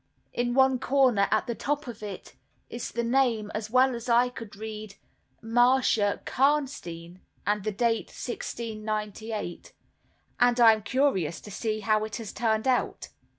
"In one corner, at the top of it, is the name, as well as I could read, 'Marcia Karnstein,' and the date '1698'; and I am curious to see how it has turned out."